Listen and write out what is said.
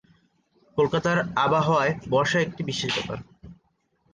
কলকাতার আবহাওয়ায় বর্ষা একটি বিশেষ ব্যাপার।